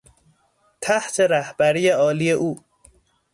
تحت رهبری عالی او